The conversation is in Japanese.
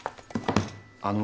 あの。